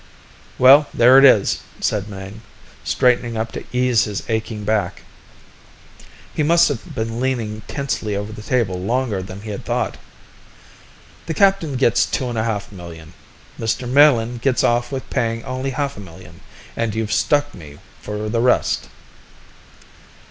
"Well, there it is," said Mayne, straightening up to ease his aching back. He must have been leaning tensely over the table longer than he had thought. "The captain gets two and a half million, Mr. Melin gets off with paying only half a million, and you've stuck me for the rest."